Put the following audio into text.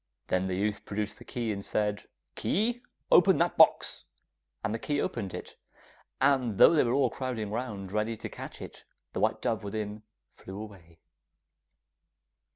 Then the youth produced the key and said 'Key, open that box!' and the key opened it, and though they were all crowding round, ready to catch it, the white dove within flew away.